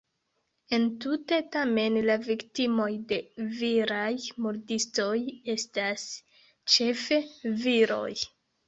Entute tamen la viktimoj de viraj murdistoj estas ĉefe viroj.